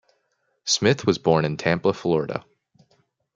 Smith was born in Tampa, Florida.